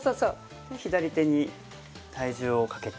左手に体重をかけて。